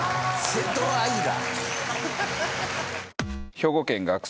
瀬戸愛羅。